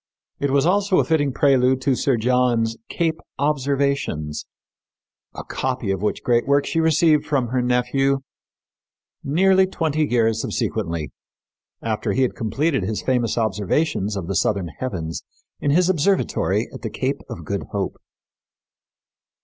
It was also a fitting prelude to Sir John's Cape Observations, a copy of which great work she received from her nephew nearly twenty years subsequently, after he had completed his famous observations of the southern heavens in his observatory at the Cape of Good Hope.